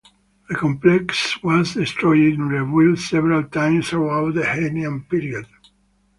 The complex was destroyed in rebuilt several times throughout the Heian period.